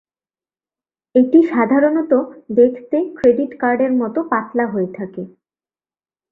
এটি সাধারণত দেখতে ক্রেডিট কার্ডের মত পাতলা হয়ে থাকে।